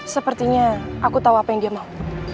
sepertinya aku tahu apa yang dia mau